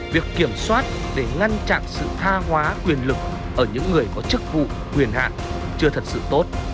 việc kiểm soát để ngăn chặn sự tha hóa quyền lực ở những người có chức vụ quyền hạn chưa thật sự tốt